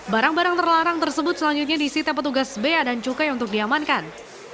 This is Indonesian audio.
barang barang terlarang tersebut selanjutnya disita petugas bea dan cukai untuk diamankan